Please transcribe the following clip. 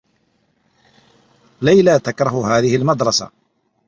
ليلى تكره هذه المدرسة.